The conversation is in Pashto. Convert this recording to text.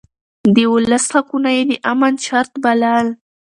د ولس حقونه يې د امن شرط بلل.